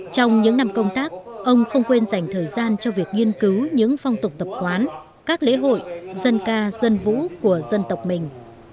trong những năm công tác ông không quên dành thời gian cho việc nghiên cứu những phong tục tập quán các lễ hội dân ca dân vũ của dân tộc mình